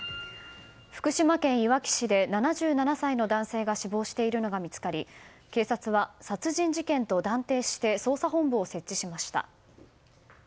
福島県いわき市で７７歳の男性が死亡しているのが見つかり警察は殺人事件と断定して捜査本部を設置しました。